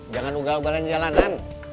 jangan uga ugalan jalanan